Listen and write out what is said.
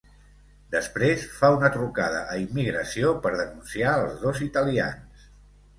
Després, fa una trucada a immigració per denunciar els dos italians.